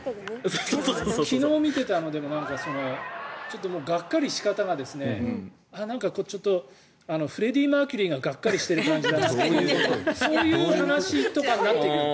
昨日見ていたのでもがっかりの仕方がちょっとフレディ・マーキュリーががっかりしている感じだっていうそういう話とかになっていく。